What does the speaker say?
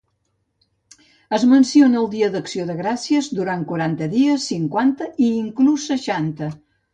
Es menciona el Dia d'Acció de Gràcies durant quaranta dies, cinquanta i inclús seixanta.